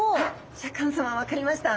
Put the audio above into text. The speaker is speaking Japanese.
シャーク香音さま分かりました？